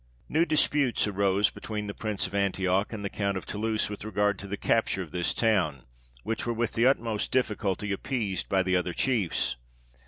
] New disputes arose between the Prince of Antioch and the Count of Toulouse with regard to the capture of this town, which were with the utmost difficulty appeased by the other chiefs.